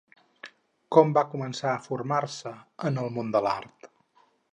Com va començar a formar-se en el món de l'art?